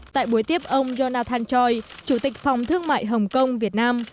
tại buổi tiếp ông jonathan choi chủ tịch phòng thương mại hồng kông việt nam